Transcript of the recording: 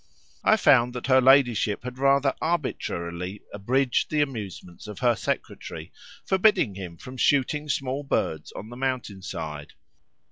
I found that her ladyship had rather arbitrarily abridged the amusements of her secretary, forbidding him from shooting small birds on the mountain side.